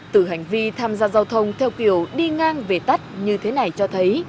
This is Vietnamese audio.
từ hành vi tham gia giao thông theo kiểu đi ngang về tắt như thế này cho thấy